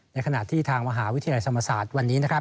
ในขณะที่ทางมหาวิทยาลัยธรรมศาสตร์วันนี้นะครับ